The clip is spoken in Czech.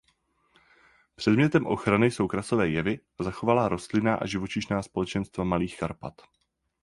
Předmětem ochrany jsou krasové jevy a zachovalá rostlinná a živočišná společenstva Malých Karpat.